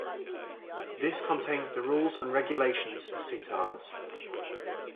This contains the rules and regulations for Citars.